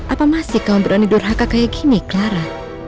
apa masih kamu berani durhaka kayak gini clara